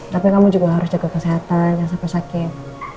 tapi kamu juga harus jaga kesehatan jangan sampai sakit